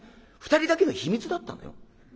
２人だけの秘密だったのよ。